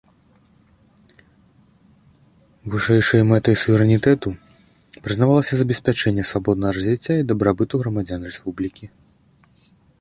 Вышэйшай мэтай суверэнітэту прызнавалася забеспячэнне свабоднага развіцця і дабрабыту грамадзян рэспублікі.